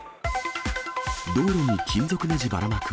道路に金属ねじばらまく。